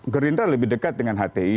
gerindra lebih dekat dengan hti